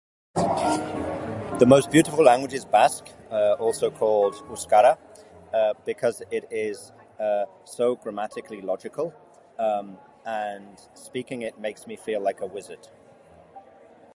The most beautiful language is Basque, uh, also called Euskara, uh, because it is, uh, so grammatically logical, um, and speaking it makes me feel like a wizard.